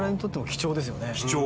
貴重！